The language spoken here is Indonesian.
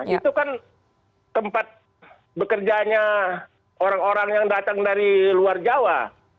itu kan tempat bekerjanya orang orang yang datang dari luar jawa